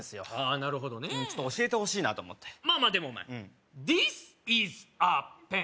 なるほどねちょっと教えてほしいなと思ってまあまあでもお前Ｔｈｉｓｉｓａｐｅｎ．